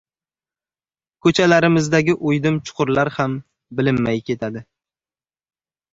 Koʻchalarimizdagi uydim-chuqurlar ham bilinmay ketadi.